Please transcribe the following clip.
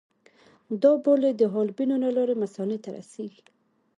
دا بولې د حالبینو له لارې مثانې ته رسېږي.